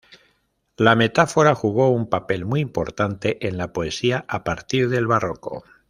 La metáfora jugó un papel muy importante en la poesía a partir del Barroco.